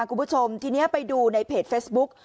คุณผู้ชมทีนี้ไปดูในเพจเฟซบุ๊ก